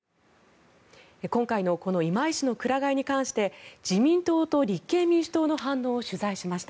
今回の今井氏のくら替えに関して自民党と立憲民主党の反応を取材しました。